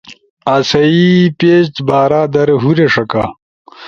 آسئی پیج بارا در ہورے ݜکا